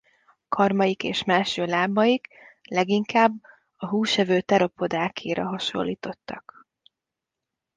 Karmaik és mellső lábaik leginkább a húsevő theropodákéra hasonlítottak.